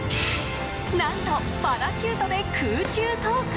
何とパラシュートで空中投下。